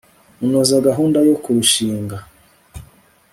unoza gahunda yo kurushinga